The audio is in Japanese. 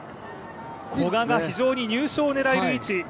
古賀が非常に、入賞を狙える位置。